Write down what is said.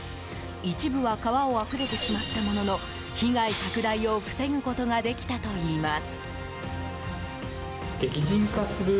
一部は川をあふれてしまったものの被害拡大を防ぐことができたといいます。